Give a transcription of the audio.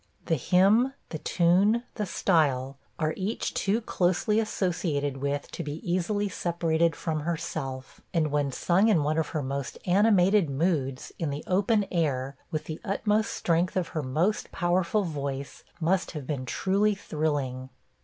The hymn, the tune, the style, are each too closely associated with to be easily separated from herself, and when sung in one of her most animated moods, in the open air, with the utmost strength of her most powerful voice, must have been truly thrilling.